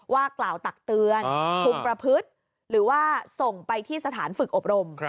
ว่ากล่าวตักเตือนคุมประพฤติหรือว่าส่งไปที่สถานฝึกอบรม